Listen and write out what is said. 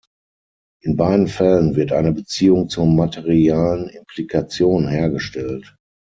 In beiden Fällen wird eine Beziehung zur materialen Implikation hergestellt.